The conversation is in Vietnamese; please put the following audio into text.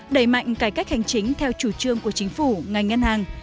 đẩy mạnh cải cách hành chính theo chủ trương của chính phủ ngành ngân hàng